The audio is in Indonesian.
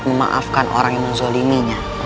memaafkan orang yang menzoliminya